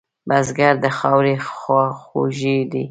بزګر د خاورې خواخوږی دی